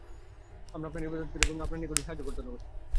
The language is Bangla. আমরা আপনারই ইবাদত করি এবং আপনার নিকটই সাহায্য প্রার্থনা করি।